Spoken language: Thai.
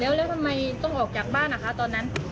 แล้วทำไมต้องออกจากบ้านอ่ะคะตอนนั้น